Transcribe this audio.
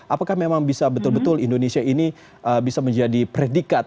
apakah memang bisa betul betul indonesia ini bisa menjadi predikat